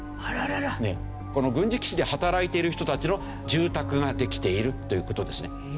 この軍事基地で働いている人たちの住宅ができているという事ですね。